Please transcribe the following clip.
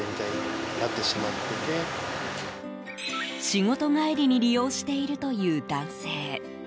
仕事帰りに利用しているという男性。